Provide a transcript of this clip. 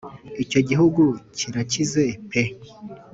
icyo gihugu kirakize pe!